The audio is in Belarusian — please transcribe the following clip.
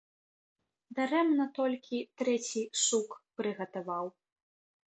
Дарэмна толькі трэці сук прыгатаваў.